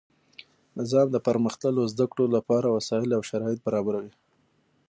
نظام د پرمختللو زده کړو له پاره وسائل او شرایط برابروي.